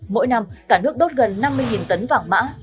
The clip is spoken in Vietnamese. mỗi năm cả nước đốt gần năm mươi tấn vàng mã